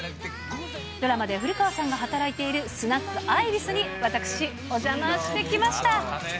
ドラマで古川さんが働いているスナックアイビスに、私、お邪魔してきました。